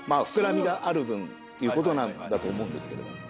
膨らみがある分ということなんだと思うんですけど。